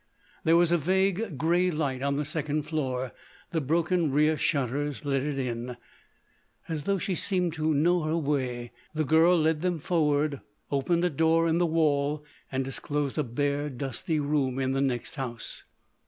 There was a vague grey light on the second floor; the broken rear shutters let it in. As though she seemed to know her way, the girl led them forward, opened a door in the wall, and disclosed a bare, dusty room in the next house.